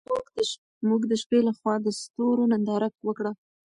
موږ د شپې لخوا د ستورو ننداره وکړه.